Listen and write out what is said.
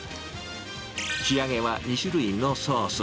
仕上げは２種類のソース。